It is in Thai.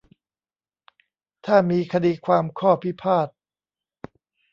ถ้ามีคดีความข้อพิพาท